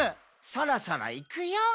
「そろそろいくよー」